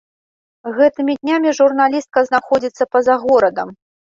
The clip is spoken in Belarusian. Гэтымі днямі журналістка знаходзіцца па-за горадам.